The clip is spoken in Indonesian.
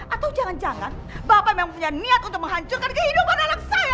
atau jangan jangan bapak memang punya niat untuk menghancurkan kehidupan anak saya